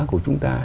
của chúng ta